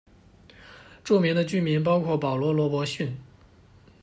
着名的居民包括保罗·罗伯逊。